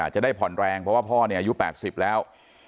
จะได้ผ่อนแรงเพราะว่าพ่ออายุ๘๐แล้ว